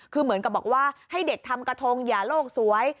คือเหมือนกับบอกว่าให้เด็กทำกระทงอย่าโลกสวย